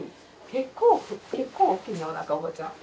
結構結構大きいねおなか伯母ちゃん。